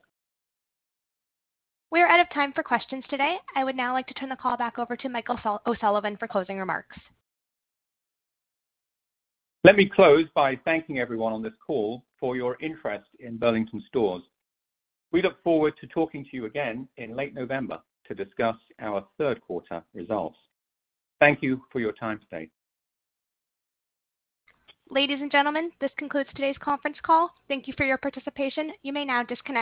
We're out of time for questions today. I would now like to turn the call back over to Michael O'Sullivan for closing remarks. Let me close by thanking everyone on this call for your interest in Burlington Stores. We look forward to talking to you again in late November to discuss our third quarter results. Thank you for your time today. Ladies and gentlemen, this concludes today's conference call. Thank you for your participation. You may now disconnect.